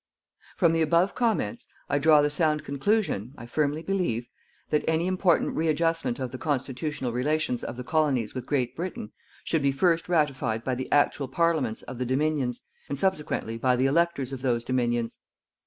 From the above comments, I draw the sound conclusion, I firmly believe, that any important readjustment of the constitutional relations of the Colonies with Great Britain, should be first ratified by the actual Parliaments of the Dominions and subsequently by the electors of those Dominions.